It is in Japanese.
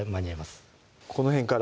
この辺から？